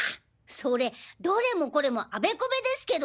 それどれもこれもあべこべですけど？